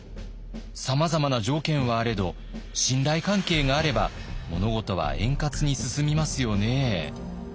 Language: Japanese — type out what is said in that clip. さまざまな条件はあれど信頼関係があれば物事は円滑に進みますよね。